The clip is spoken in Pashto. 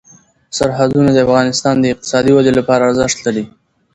سرحدونه د افغانستان د اقتصادي ودې لپاره ارزښت لري.